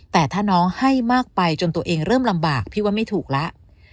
แต่ถ้าน้องให้มากไปจนตัวเองเริ่มลำบากพี่ว่าไม่ถูกแล้ว